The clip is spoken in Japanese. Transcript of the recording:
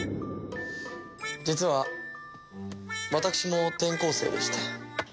実は私も転校生でして。